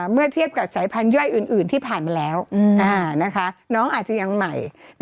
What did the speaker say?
เมื่อเทียบกับสายพันธย่อยอื่นที่ผ่านมาแล้วน้องอาจจะยังใหม่